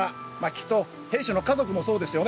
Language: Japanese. きっと兵士の家族もそうですよね